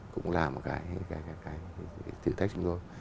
cũng là một cái thử thách chúng tôi